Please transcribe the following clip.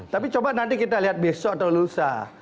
tapi coba nanti kita lihat besok atau lusa